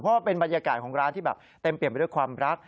เพราะว่าเป็นบรรยากาศของร้านที่แบบเต็มเปลี่ยนไปด้วยความรัก